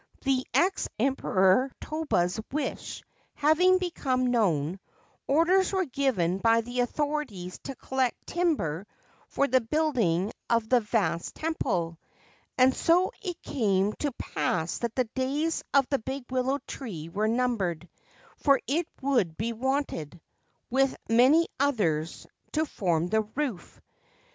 The ex Emperor Toba's wish having become known, orders were given by the authorities to collect timber for the building of the vast temple ; and so it came to pass that the days of the big willow tree were numbered, for it would be wanted, with many others, to form the roof.